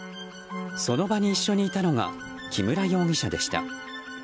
その場に一緒にいたのが木村容疑者でした。